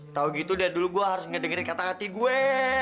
tau gitu udah dulu gue harus ngedengerin kata hati gue